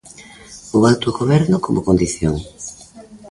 O autogoberno como condición